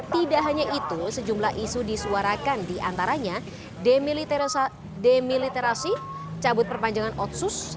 tidak hanya itu sejumlah isu disuarakan diantaranya demiliterasi cabut perpanjangan otsus